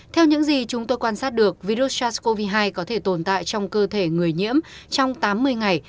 theo những gì chúng tôi quan sát được virus sars cov hai có thể tồn tại trong cơ thể người nhiễm trong tám mươi ngày